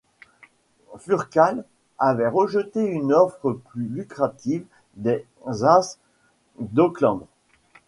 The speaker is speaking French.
Furcal avait rejeté une offre plus lucrative des A's d'Oakland.